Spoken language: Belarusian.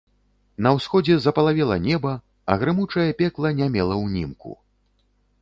На ўсходзе запалавела неба, а грымучае пекла не мела ўнімку.